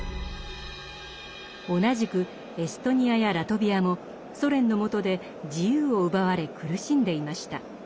同じくエストニアやラトビアもソ連の下で自由を奪われ苦しんでいました。